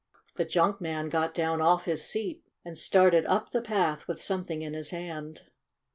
The junk man got down off his seat and started up the path with something in his hand.